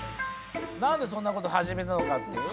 何でそんなこと始めたのかって？